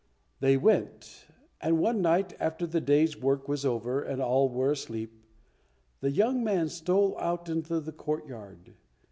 They went, and one night, after the day's work was over and all were asleep, the young man stole out into the courtyard.